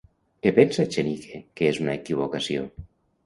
Què pensa Echenique que és una equivocació?